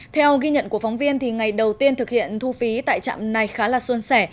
theo ghi nhận của phóng viên thì ngày đầu tiên thực hiện thu phí tại trạm này khá là xuân sẻ